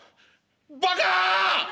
「バカ！